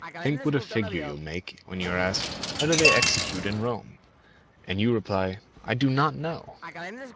Think what a figure you will make when you are asked, 'How do they execute at Rome?' and you reply, 'I do not know!